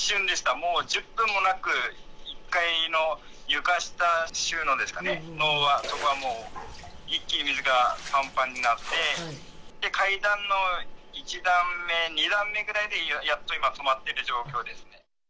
もう１０分もなく、１階の床下収納ですかね、そこはもう、一気に水がぱんぱんになって、階段の１段目、２段目ぐらいでやっと今、止まっている状況ですね。